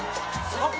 あっ！